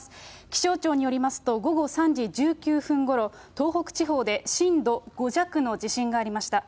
気象庁によりますと、午後３時１９分ごろ、東北地方で震度５弱の地震がありました。